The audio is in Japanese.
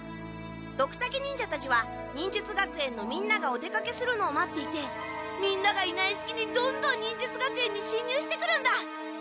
ドクタケ忍者たちは忍術学園のみんながお出かけするのを待っていてみんながいないすきにどんどん忍術学園にしんにゅうしてくるんだ。